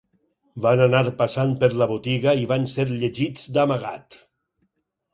Van anar passant per la botiga i van ser llegits d'amagat